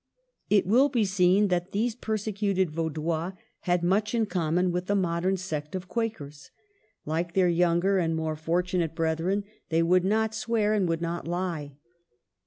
It will be seen that these persecuted Vaudois had much in common with the modern sect of Quakers. Like their younger and more for tunate brethren, they would not swear and would not lie.